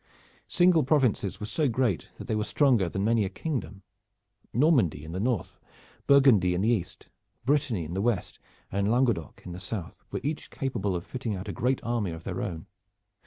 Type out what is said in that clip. Single Provinces were so great that they were stronger than many a kingdom. Normandy in the north, Burgundy in the east, Brittany in the west and Languedoc in the south were each capable of fitting out a great army of their own.